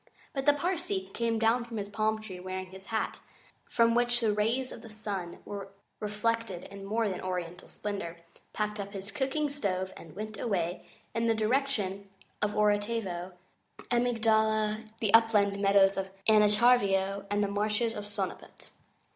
But the Parsee came down from his palm tree, wearing his hat, from which the rays of the sun were reflected in more than oriental splendour, packed up his cooking stove, and went away in the direction of Orotavo, Amygdala, the Upland Meadows of Anantarivo, and the Marshes of Sonaput.